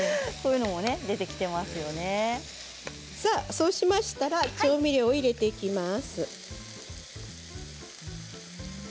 そうしましたら調味料を入れていきます。